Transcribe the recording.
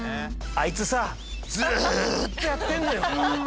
あいつさずーっとやってんのよ。